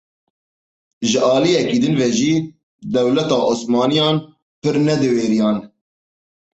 Ji aliyekî din ve jî dewleta osmaniyan pir ne diwêriyan.